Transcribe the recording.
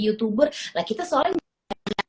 youtuber nah kita soalnya